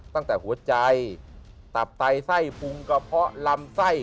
ตั้งแต่หัวใจตับไตไส้ปรุงกระเพาะลำไส้